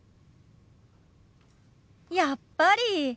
やっぱり！